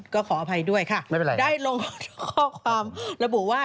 ก็ขออภัยด้วยค่ะได้ลงข้อความระบุว่า